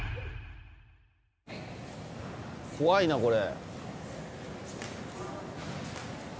怖いなこれ。